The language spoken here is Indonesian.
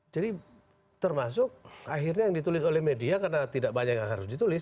jadi termasuk akhirnya yang ditulis oleh media karena tidak banyak yang harus ditulis